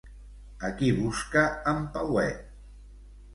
A qui busca en Pauet?